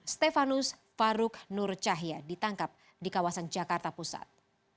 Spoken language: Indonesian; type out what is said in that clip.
stefanus faruk nur cahya ditangkap di kawasan jakarta pusat